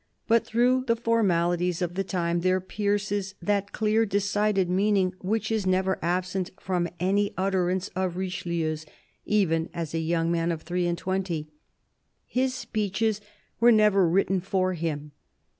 But through the formalities of the time there pierces that clear decided meaning which is never absent from any utterance of Richelieu's, even as a young man of three and twenty. His speeches were never written for him.